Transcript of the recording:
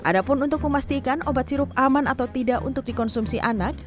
ada pun untuk memastikan obat sirup aman atau tidak untuk dikonsumsi anak